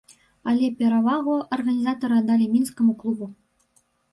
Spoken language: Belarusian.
Але перавагу арганізатары аддалі мінскаму клубу.